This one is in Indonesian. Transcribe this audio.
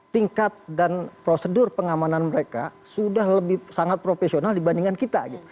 tingkat dan prosedur pengamanan mereka sudah lebih sangat profesional dibandingkan kita